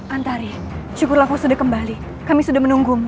antari syukurlah kau sudah kembali kami sudah menunggumu